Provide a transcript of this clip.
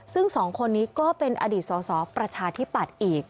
ซึ่งสองคนนี้ก็เป็นอดีตสอสอประชาธิปัตย์อีก